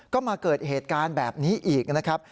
ก็มาเกิดเหตุการณ์แบบนี้อีกนะครับ